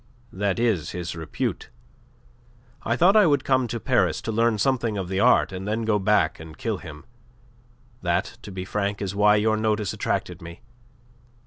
That is his repute. I thought I would come to Paris to learn something of the art, and then go back and kill him. That, to be frank, is why your notice attracted me.